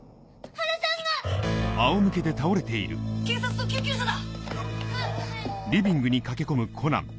原さんが⁉警察と救急車だ！